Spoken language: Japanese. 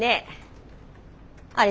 あれ